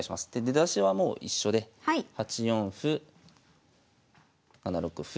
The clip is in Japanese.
出だしはもう一緒で８四歩７六歩